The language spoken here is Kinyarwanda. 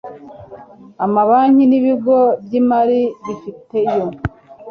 amabanki n ibigo by imari bifite yo